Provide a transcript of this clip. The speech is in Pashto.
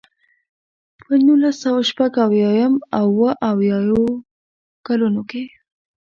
په نولس سوه شپږ اویا او اوه اویا کلونو کې.